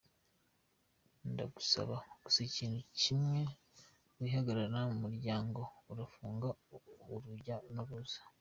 Ndagusaba gusa ikintu kimwe; wihagarara mu muryango, urafunga urujya n’uruza.